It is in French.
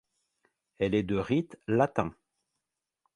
Elle est de rite latin.